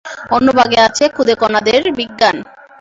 অন্য ভাগে আছে খুদে কণাদের বিজ্ঞান।